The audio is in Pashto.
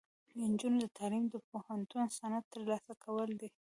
د نجونو تعلیم د پوهنتون سند ترلاسه کول دي.